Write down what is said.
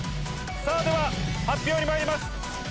⁉では発表にまいります！